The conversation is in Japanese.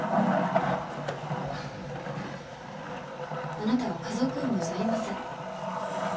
あなたは家族思いじゃありません。